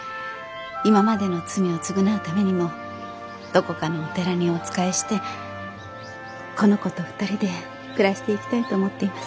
今までの罪を償うためにもどこかのお寺にお仕えしてこの子と２人で暮らしていきたいと思っています。